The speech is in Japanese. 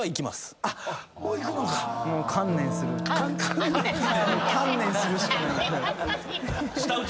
観念⁉観念するしかない。